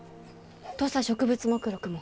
土佐植物目録も？